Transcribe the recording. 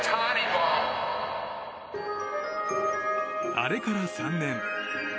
あれから３年。